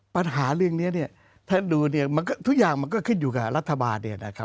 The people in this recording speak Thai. ปัญหาเรื่องนี้เนี่ยถ้าดูทุกอย่างมันก็ขึ้นอยู่กับรัฐบาล